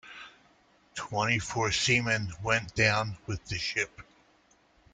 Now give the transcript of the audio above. Twenty-four seamen went down with the ship.